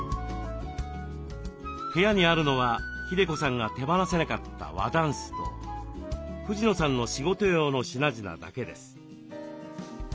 部屋にあるのは日出子さんが手放せなかった和だんすと藤野さんの仕事用の品々だけです。